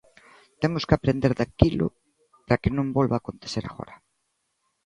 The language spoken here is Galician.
Temos que aprender daquilo para que non volva acontecer agora.